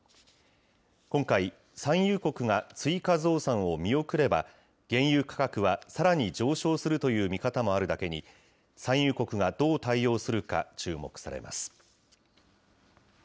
今回、産油国が追加増産を見送れば、原油価格はさらに上昇するという見方もあるだけに、産油国がどう対応するか注目されます。